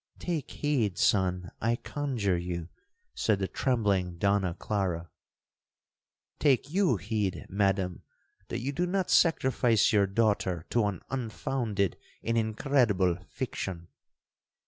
'—'Take heed, son, I conjure you,' said the trembling Donna Clara. 'Take you heed, Madam, that you do not sacrifice your daughter to an unfounded and incredible fiction.'